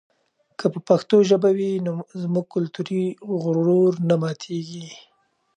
که پښتو ژبه وي نو زموږ کلتوري غرور نه ماتېږي.